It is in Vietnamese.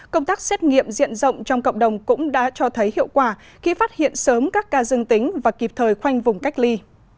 công tác xét nghiệm diện rộng trong cộng đồng cũng đã cho thấy hiệu quả khi phát hiện sớm các ca dương tính và kịp thời khoanh vùng cách ly